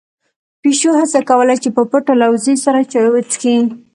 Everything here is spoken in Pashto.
پيشو هڅه کوله چې په پټه له وزې سره چای وڅښي.